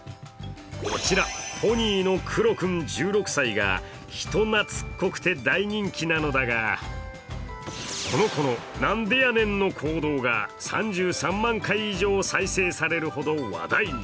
こちら、ポニーのクロ君１６歳が人懐っこくて大人気なのだがこの子の「なんでやねん」の行動が３３万回も再生されるほど話題に。